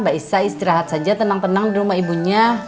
mbak isa istirahat saja tenang tenang di rumah ibunya